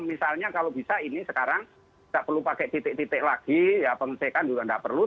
misalnya kalau bisa ini sekarang tidak perlu pakai titik titik lagi ya pengecekan juga tidak perlu